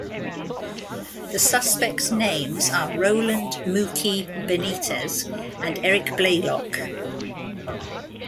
The suspects names are Roland "Mookie" Benitez and Eric Blaylock.